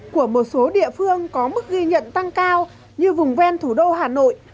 của một số địa phương có mức ghi nhận tăng cao như vùng ven thủ đô hà nội